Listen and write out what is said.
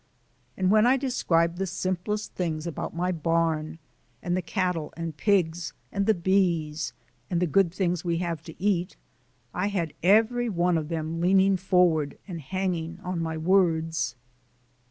And when I described the simplest things about my barn, and the cattle and pigs, and the bees and the good things we have to eat I had every one of them leaning forward and hanging on my words.